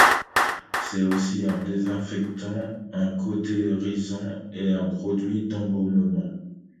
C'est aussi un désinfectant, un cautérisant et un produit d'embaumement.